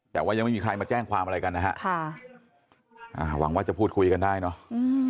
แต่ว่ายังไม่มีใครมาแจ้งความอะไรกันนะฮะค่ะอ่าหวังว่าจะพูดคุยกันได้เนอะ